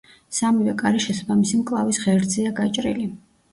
სამივე კარი შესაბამისი მკლავის ღერძზეა გაჭრილი.